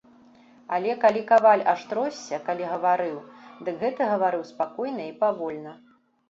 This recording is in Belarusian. Але калі каваль аж тросся, калі гаварыў, дык гэты гаварыў спакойна і павольна.